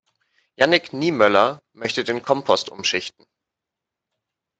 Jannick Niemöller möchte den Kompost umschichten.